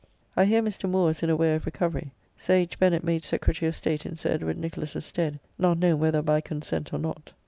I hear Mr. Moore is in a way of recovery. Sir H. Bennet made Secretary of State in Sir Edward Nicholas's stead; not known whether by consent or not.